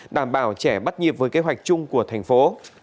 đảm bảo trẻ bắt nhịp với kế hoạch chung của thành phố